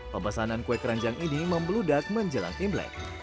pembasanan kue keranjang ini membeludak menjelang imlek